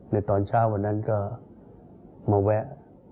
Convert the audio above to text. ในตอนเช้าวันนั้นก็มาแวะ